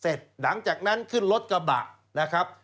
หลังจากนั้นขึ้นรถกระบะนะครับ